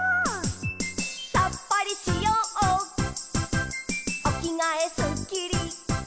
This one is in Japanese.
「さっぱりしようおきがえすっきり」